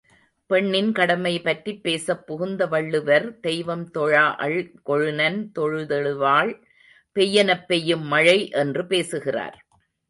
பெண்ணின் கடமைபற்றிப் பேசப் புகுந்த வள்ளுவர், தெய்வம் தொழாஅள் கொழுநன் தொழுதெழுவாள் பெய்யெனப் பெய்யும் மழை என்று பேசுகிறார்.